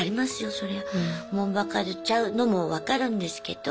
そりゃおもんぱかっちゃうのも分かるんですけど。